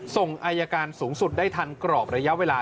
ส่งอายการสูงสุดได้ทันกรอบระยะเวลา